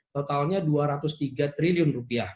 totalnya dua ratus tiga triliun rupiah